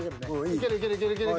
いけるいけるいける！